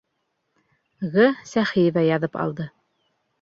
Г. СӘХИЕВА яҙып алды.